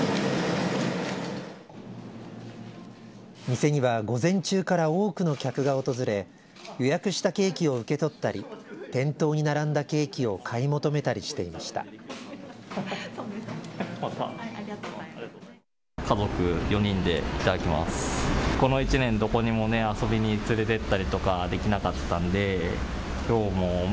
店には午前中から多くの客が訪れ予約したケーキを受け取ったり店頭に並んだケーキを買い求めたりしていました。